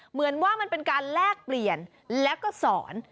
เหมือนว่ามันเป็นการแลกเปลี่ยนแล้วก็สอน